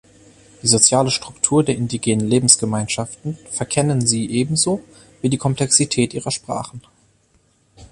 Die soziale Struktur der indigenen Lebensgemeinschaften verkennen sie ebenso wie die Komplexität ihrer Sprachen.